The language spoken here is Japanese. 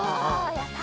やった！